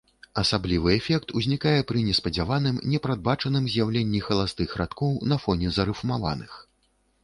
Асаблівы эфект узнікае пры неспадзяваным, непрадбачаным з'яўленні халастых радкоў на фоне зарыфмаваных.